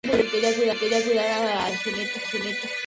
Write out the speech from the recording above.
Todos los partidos se disputaron en el Victoria Stadium de Gibraltar.